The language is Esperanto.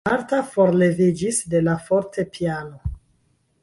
Marta forleviĝis de la fortepiano.